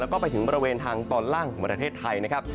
แล้วก็ไปถึงบริเวณทางตอนล่างของประเทศไทยนะครับ